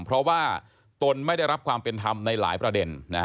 เพราะว่าตนไม่ได้รับความเป็นธรรมในหลายประเด็น